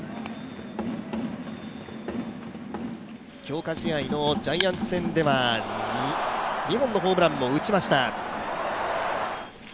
強化試合のジャイアンツ戦では、２本のホームランを打ちました。